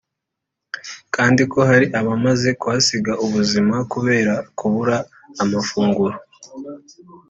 kandi ko hari n’abamaze kuhasiga ubuzima kubera kubura amafunguro